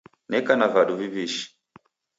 Neka na vadu viw'ishi